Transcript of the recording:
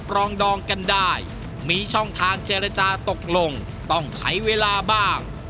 รองดองกันได้มีช่องทางเจรจาตกลงต้องใช้เวลาบ้าง